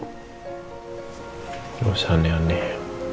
gak usah aneh aneh